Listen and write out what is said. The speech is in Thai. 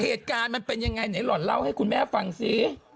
เหตุการณ์มันเป็นยังไงไหนหล่อนเล่าให้คุณแม่ฟังสิ